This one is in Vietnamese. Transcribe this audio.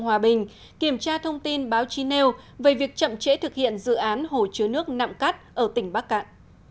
hòa bình kiểm tra thông tin báo chinel về việc chậm trễ thực hiện dự án hồi chứa nước nặm cắt ở tỉnh bắc cạn